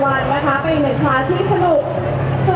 ว้าวว้าวว้าวว้าวว้าวว้าวว้าวว้าวว้าว